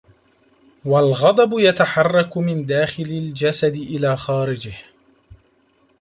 وَالْغَضَبُ يَتَحَرَّكُ مِنْ دَاخِلِ الْجَسَدِ إلَى خَارِجِهِ